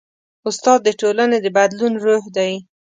استاد د ټولنې د بدلون روح دی.